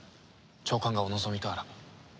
長官がお望みとあらば。